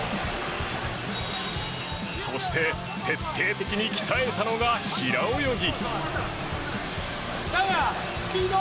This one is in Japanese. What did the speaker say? そして徹底的に鍛えたのが、平泳ぎ。